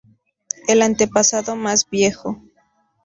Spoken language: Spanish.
El antepasado más viejo.